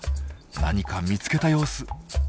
何か見つけた様子。